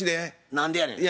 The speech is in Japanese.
何でやねん？